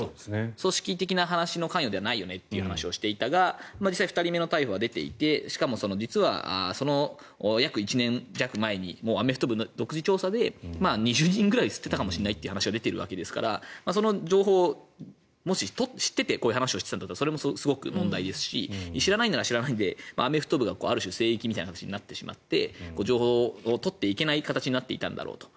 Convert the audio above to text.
組織的な話の関与ではないという話をしていたが実際に２人目の逮捕が出ていて実はその約１年弱前にもうアメフト部の独自調査で２０人ぐらい吸ってたかもしれないという話が出ているわけですからその情報をもし知っていてこういう話をしてたんだったらそれもすごく問題ですし知らないんだったら知らないでアメフト部がある種聖域みたいな形になってしまって情報を取っていけない形になっていたんだろうと。